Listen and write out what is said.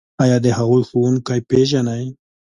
ایا د هغوی ښوونکي پیژنئ؟